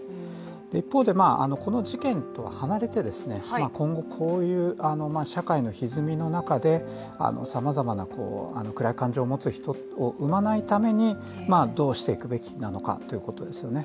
一方で、この事件と離れて今後こういう社会のひずみの中でさまざまな暗い感情を持つ人を生まないためにどうしていくべきなのかということですよね。